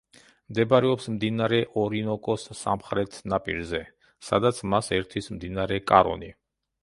მდებარეობს მდინარე ორინოკოს სამხრეთ ნაპირზე, სადაც მას ერთვის მდინარე კარონი.